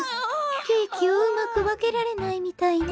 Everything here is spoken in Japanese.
ケーキをうまくわけられないみたいね。